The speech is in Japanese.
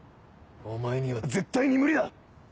お前には絶対に無理だ！